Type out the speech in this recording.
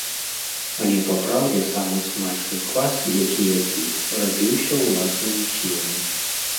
Але папраўдзе самы смачны квас, які я піў, рабіўся ўласнымі сіламі.